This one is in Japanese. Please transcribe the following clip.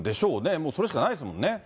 もうそれしかないですもんね。